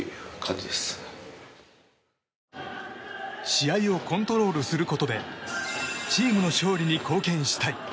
試合をコントロールすることでチームの勝利に貢献したい。